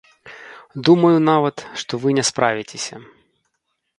Думаю нават, што вы не справіцеся.